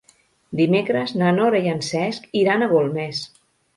Dimecres na Nora i en Cesc iran a Golmés.